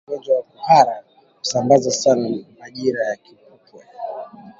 Ugonjwa wa kuhara husambaa sana majira ya kipupwe